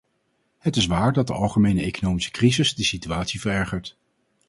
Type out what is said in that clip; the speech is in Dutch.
Het is waar dat de algemene economische crisis de situatie verergert.